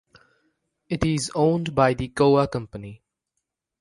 It is owned by the Kowa Company.